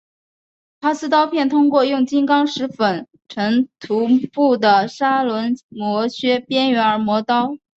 陶瓷刀片通过用金刚石粉尘涂覆的砂轮磨削边缘而磨刀。